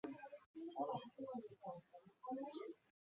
তবে তিনি তা প্রত্যাখ্যান করেন।